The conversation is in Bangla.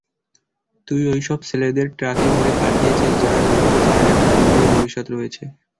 তুই ওইসব ছেলেদের ট্রাকে ভরে পাঠিয়েছিস যারা ভেবেছিল তাদের একটা সুন্দর ভবিষ্যৎ রয়েছে।